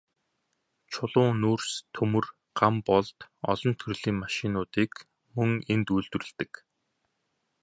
Чулуун нүүрс, төмөр, ган болд, олон төрлийн машинуудыг мөн энд үйлдвэрлэдэг.